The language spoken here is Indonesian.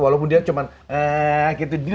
walaupun dia cuma gitu